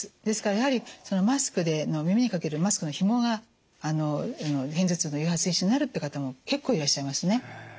ですからやはりマスクで耳にかけるマスクのひもが片頭痛の誘発因子になるっていう方も結構いらっしゃいますね。